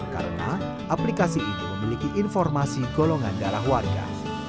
karena aplikasi ini memiliki informasi golongan darah warga